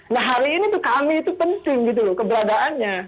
nah hari ini tuh kami itu penting gitu loh keberadaannya